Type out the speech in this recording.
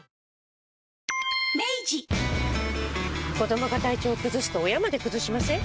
子どもが体調崩すと親まで崩しません？